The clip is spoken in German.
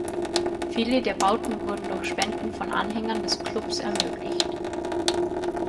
Viele der Bauten wurden durch Spenden von Anhängern des Clubs ermöglicht.